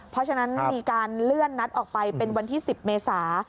เพราะฉะนั้นมีการเลื่อนนัดออกไปเป็นวันที่๑๐เมษา